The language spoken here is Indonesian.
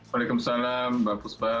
waalaikumsalam mbak fusba